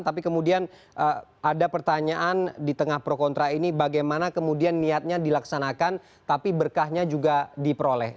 tapi kemudian ada pertanyaan di tengah pro kontra ini bagaimana kemudian niatnya dilaksanakan tapi berkahnya juga diperoleh